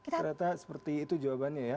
ternyata seperti itu jawabannya ya